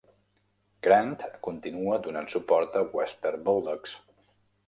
Grant continua donant suport als Western Bulldogs.